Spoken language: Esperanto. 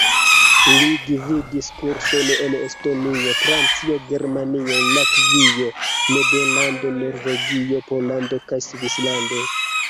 Li gvidis kursojn en Estonio, Francio, Germanio, Latvio, Nederlando, Norvegio, Pollando kaj Svislando.